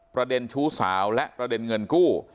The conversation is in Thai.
ประเด็นชู้สาวและประเด็นเงินกู้